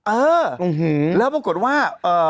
เออแล้วปรากฏว่า